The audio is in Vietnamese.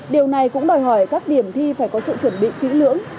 điều này cũng đòi hỏi các điểm thi phải có sự chuẩn bị kỹ lưỡng